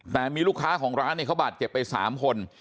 แต่มีลูกค้าของร้านเนี่ยเขาบาดเจ็บไป๓คน